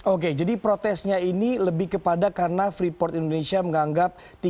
oke jadi protesnya ini lebih kepada karena freeport indonesia menganggap